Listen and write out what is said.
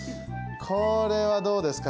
これはどうですか？